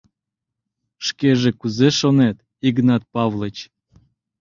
— Шкеже кузе шонет, Игнат Павлыч?